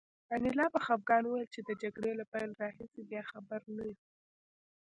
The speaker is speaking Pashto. انیلا په خپګان وویل چې د جګړې له پیل راهیسې بیا خبر نه یو